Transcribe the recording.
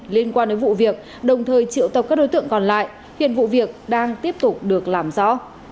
liên quan đến vụ việc đồng thời triệu tập các đối tượng còn lại hiện vụ việc đang tiếp tục được làm rõ